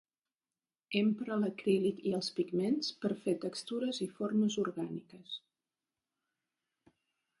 Empra l’acrílic i els pigments per a fer textures i formes orgàniques.